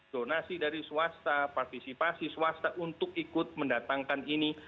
donasi dari swasta partisipasi swasta untuk ikut mendatangkan ini